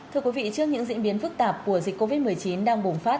thưa quý vị trước những diễn biến phức tạp của dịch covid một mươi chín đang bùng phát